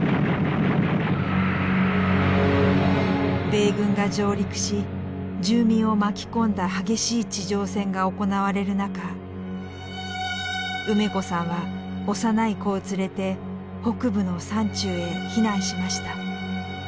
米軍が上陸し住民を巻き込んだ激しい地上戦が行われる中梅子さんは幼い子を連れて北部の山中へ避難しました。